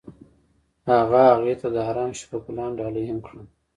هغه هغې ته د آرام شپه ګلان ډالۍ هم کړل.